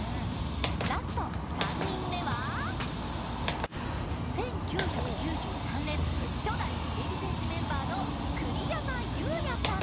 ラスト３人目は１９９３年初代てれび戦士メンバーの栗山祐哉さん。